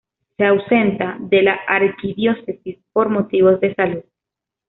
Se ausenta de la Arquidiócesis por motivos de salud.